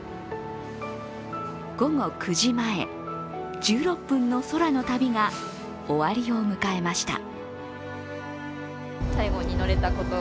午後９時前、１６分の空の旅が終わりを迎えました。